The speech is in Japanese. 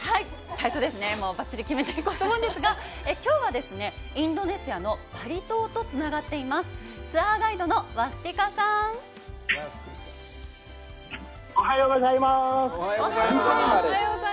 最初ですね、ばっちり決めていこうと思うんですが、きょうは、インドネシアのバリ島とつながっています。